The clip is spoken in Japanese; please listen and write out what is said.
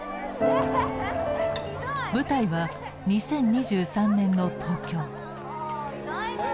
舞台は２０２３年の東京。